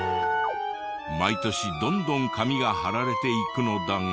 毎年どんどん紙が貼られていくのだが。